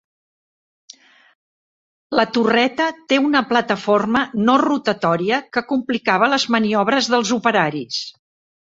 La torreta té una plataforma no rotatòria, que complicava les maniobres dels operaris.